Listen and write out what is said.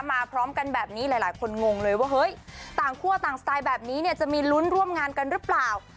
พร้อมกันแบบนี้หลายคนงงเลยว่าเฮ้ยต่างคั่วต่างสไตล์แบบนี้เนี่ยจะมีลุ้นร่วมงานกันหรือเปล่า